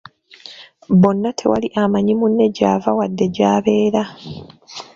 Bonna tewali amanyi munne gy'ava wadde gy'abeera.